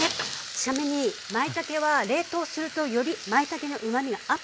ちなみにまいたけは冷凍するとよりまいたけのうまみがアップするんです。